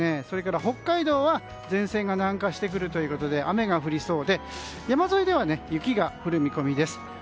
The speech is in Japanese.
それから北海道は前線が南下してくるということで雨が降りそうで山沿いでは雪が降る見込みです。